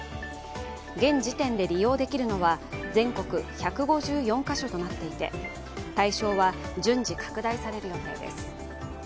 現時点で利用できるのは全国１５４か所となっていて対象は順次拡大される予定です。